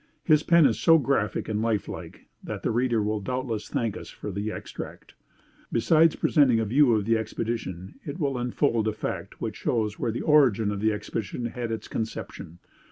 His pen is so graphic and life like that the reader will doubtless thank us for the extract. Besides presenting a view of the expedition, it will unfold a fact which shows where the origin of the expedition had its conception.